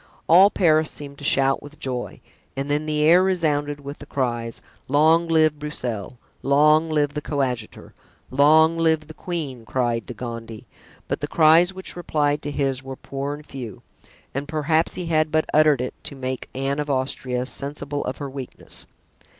All Paris seemed to shout with joy, and then the air resounded with the cries of "Long live Broussel!" "Long live the coadjutor!" "Long live the queen!" cried De Gondy; but the cries which replied to his were poor and few, and perhaps he had but uttered it to make Anne of Austria sensible of her weakness.